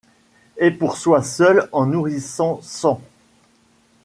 Et pour soi seul en nourrissant cent.